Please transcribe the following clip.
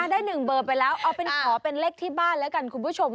ได้๑เบอร์ไปแล้วเอาเป็นขอเป็นเลขที่บ้านแล้วกันคุณผู้ชม